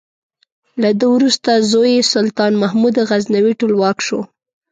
له ده وروسته زوی یې سلطان محمود غزنوي ټولواک شو.